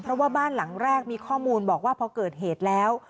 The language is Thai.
เพราะว่าบ้านหลังแรกมีข้อมูลบอกว่าพอเกิดเหตุแล้ว